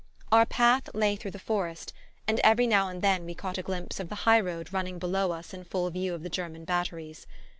Our path lay through the forest, and every now and then we caught a glimpse of the high road running below us in full view of the German batteries.